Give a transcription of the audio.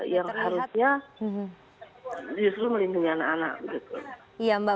yang harusnya justru melindungi anak anak